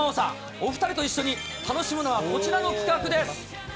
お２人と一緒に楽しむのはこちらの企画です。